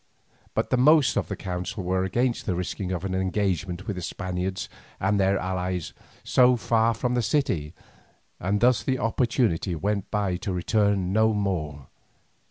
But the most of the council were against the risking of an engagement with the Spaniards and their allies so far from the city, and thus the opportunity went by to return no more.